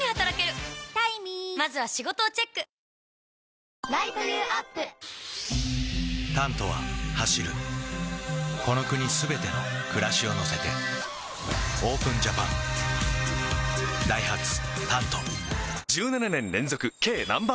カルビー「ポテトデラックス」「タント」は走るこの国すべての暮らしを乗せてＯＰＥＮＪＡＰＡＮダイハツ「タント」１７年連続軽ナンバーワン